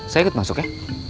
saya ikut masuk ya